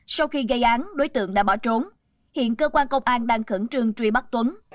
sau khi gây án đối tượng đã bỏ trốn hiện cơ quan công an đang khẩn trương truy bắt tuấn